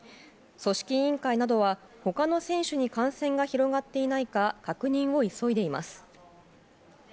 組織委員会などは、他の選手に感染が広がっていないか確認を急いでいます。